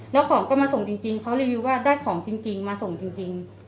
แล้วของก็มาส่งจริงเขารีวิวว่าได้ของจริงมาส่งจริง